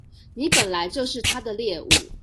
你本來就是他的獵物